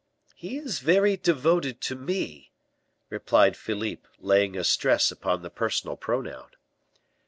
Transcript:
"He is very devoted to me," replied Philippe, laying a stress upon the personal pronoun.